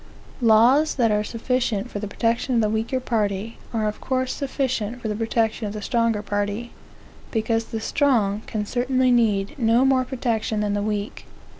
Laws, that are sufficient for the protection of the weaker party, are of course sufficient for the protection of the stronger party; because the strong can certainly need no more protection than the weak.